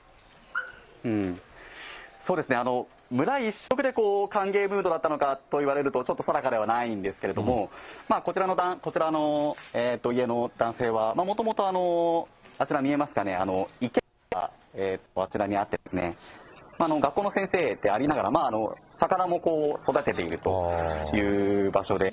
そうですね、村一色で歓迎ムードだったのかといわれると、ちょっと定かではないんですけれども、こちらの家の男性は、もともとあちら、見えますかね、池があちらにあって、学校の先生でありながら、魚も育てているという場所で。